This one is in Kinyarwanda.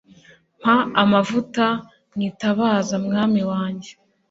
mpa amavuta mwitabaza mwami wanjye